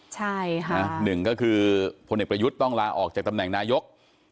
๑ผลเอกประยุทธ์ต้องลาออกจากตำแหน่งนายก